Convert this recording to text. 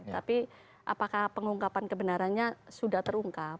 tapi apakah pengungkapan kebenarannya sudah terungkap